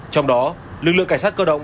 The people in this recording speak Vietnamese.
trong đó lực lượng cảnh sát cơ động